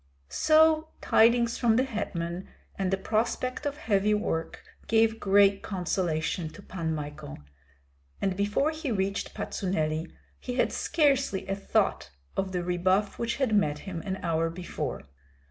So tidings from the hetman and the prospect of heavy work gave great consolation to Pan Michael; and before he reached Patsuneli, he had scarcely a thought of the rebuff which had met him an hour before.